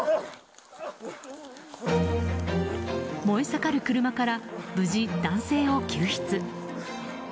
燃え盛る車から無事、男性を救出。